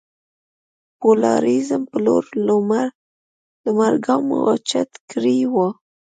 د پلورالېزم په لور لومړ ګامونه اوچت کړي وو.